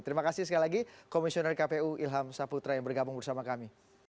terima kasih sekali lagi komisioner kpu ilham saputra yang bergabung bersama kami